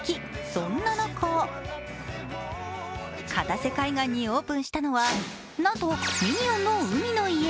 そんな中、片瀬海岸にオープンしたのはなんとミニオンの海の家。